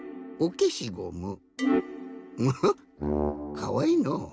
かわいいのう。